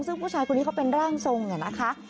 ซึ่งผู้ชายคนนี้เขาเป็นร่างทรงนะคะ